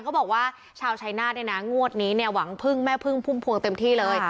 เขาบอกว่าชาวชายนาฏเนี่ยนะงวดนี้เนี่ยหวังพึ่งแม่พึ่งพุ่มพวงเต็มที่เลย